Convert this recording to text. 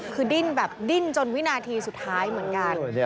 คือดิ้นจนวินาทีสุดท้ายเหมือนกัน